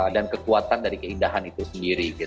dan kekuatan dari keindahan itu sendiri